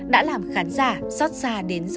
đã làm khán giả xót xa